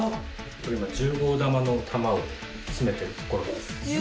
これ今１０号玉の玉を詰めてるところです。